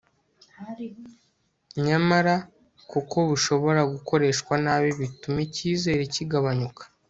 nyamara kuko bushobora gukoreshwa nabi bituma icyizere kigabanyuka